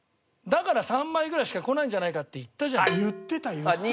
だから「３枚ぐらいしか来ないんじゃないか」って言ったじゃない。